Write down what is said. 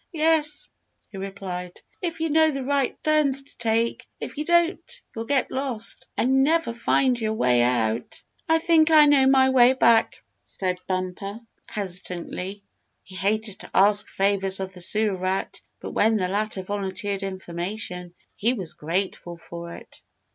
"Yes," he replied, "if you know the right turns to take. If you don't you'll get lost, and never find your way out." "I think I know my way back," said Bumper, hesitatingly. He hated to ask favors of the Sewer Rat, but when the latter volunteered information he was grateful for it.